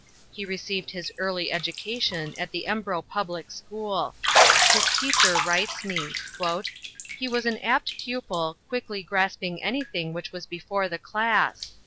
He received his early education at the Embro Public School. His teacher writes me: "He was an apt pupil, quickly grasping anything which was before the class.